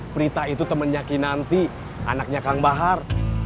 prita itu temannya kinanti anaknya kang bahar